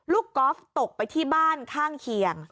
กอล์ฟตกไปที่บ้านข้างเคียง